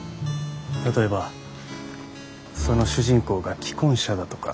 例えばその主人公が既婚者だとか。